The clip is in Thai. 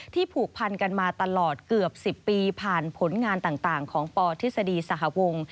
ผูกพันกันมาตลอดเกือบ๑๐ปีผ่านผลงานต่างของปทฤษฎีสหวง